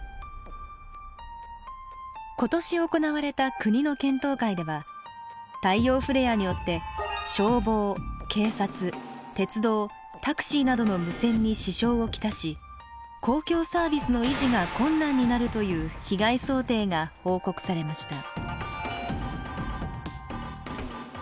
今年行われた国の検討会では太陽フレアによって消防警察鉄道タクシーなどの無線に支障を来し公共サービスの維持が困難になるという被害想定が報告されました。